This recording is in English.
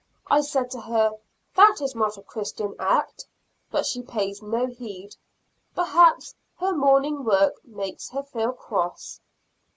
I said to her, "That is not a Christian act," but she pays no heed; perhaps her morning work makes her feel cross.